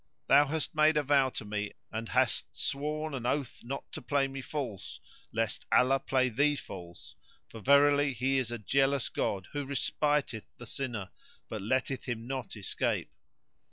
Thou hast made a vow to me and hast sworn an oath not to play me false lest Allah play thee false, for verily he is a jealous God who respiteth the sinner, but letteth him not escape.